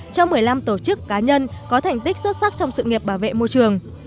cho một mươi năm tổ chức cá nhân có thành tích xuất sắc trong sự nghiệp bảo vệ môi trường